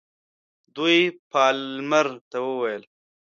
دوی پالمر ته وویل.